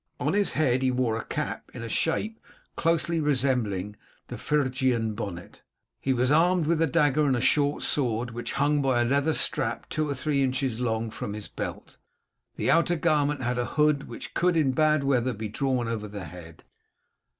On his head he wore a cap in shape closely resembling the Phrygian bonnet. He was armed with a dagger, and a short sword, which hung by a leather strap, two or three inches long, from his belt. The outer garment had a hood which could in bad weather be drawn over the head.